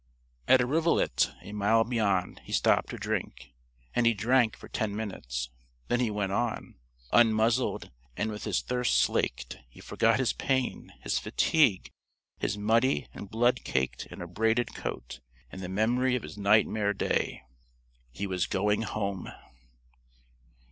At a rivulet, a mile beyond, he stopped to drink. And he drank for ten minutes. Then he went on. Unmuzzled and with his thirst slaked, he forgot his pain, his fatigue, his muddy and blood caked and abraded coat, and the memory of his nightmare day. He was going home!